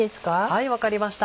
はい分かりました。